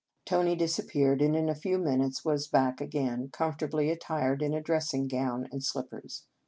Tony disappeared, and in a few minutes was back again, comfortably attired in a dressing gown and slip pers.